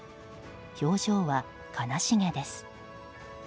表情は、悲しげです。